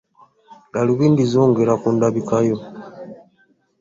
Galuubindi zongera kundabika yo.